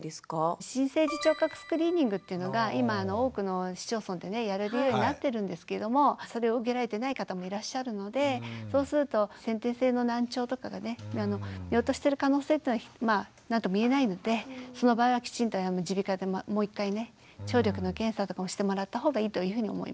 新生児聴覚スクリーニングっていうのが今多くの市町村でやれるようになってるんですけれどもそれを受けられてない方もいらっしゃるのでそうすると先天性の難聴とかがね見落としてる可能性というのはまあ何とも言えないのでその場合はきちんと耳鼻科でもう一回ね聴力の検査とかもしてもらった方がいいというふうに思います。